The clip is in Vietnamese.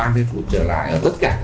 nhiều người kể rằng